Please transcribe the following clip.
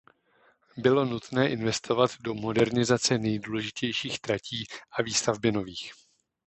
Bylo nutné investovat do modernizace nejdůležitějších tratí a výstavby nových.